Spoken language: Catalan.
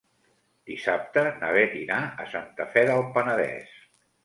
Dissabte na Beth irà a Santa Fe del Penedès.